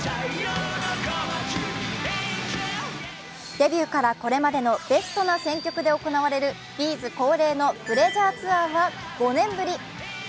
デビューからこれまでのベストな選曲で行われるＢ’ｚ恒例のＰｌｅａｓｕｒｅツアーは５年ぶり。